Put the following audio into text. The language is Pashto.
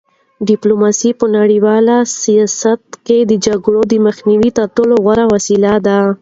ډیپلوماسي په نړیوال سیاست کې د جګړې د مخنیوي تر ټولو غوره وسیله ده.